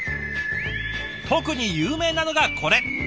特に有名なのがこれ。